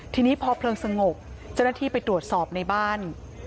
ทีนี้พอเพลิงสงบเจ้าหน้าที่ไปตรวจสอบในบ้าน